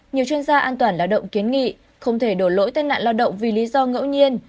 nhiều chuyên gia an toàn lao động kiến nghị không thể đổ lỗi tai nạn lao động vì lý do ngẫu nhiên